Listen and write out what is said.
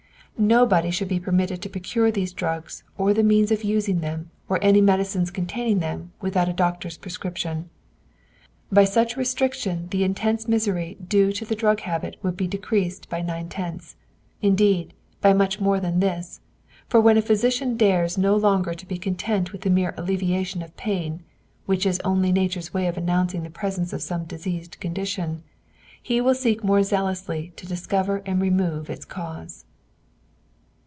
Nobody should be permitted to procure these drugs or the means of using them or any medicines containing them without a doctor's prescription. By such restriction the intense misery due to the drug habit would be decreased by nine tenths, indeed, by much more than this; for when a physician dares no longer to be content with the mere alleviation of pain, which is only nature's way of announcing the presence of some diseased condition, he will seek the more zealously to discover and remove its cause.